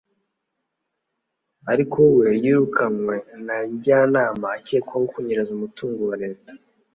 ariko we yirukanywe na Njyanama akekwaho kunyereza umutungo wa Leta